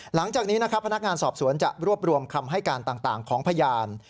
หลังจากนี้นะครับพนักงานสอบสวนจะรวบรวมคำให้การต่างของพยาน